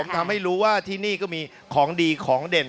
ทำให้รู้ว่าที่นี่ก็มีของดีของเด่น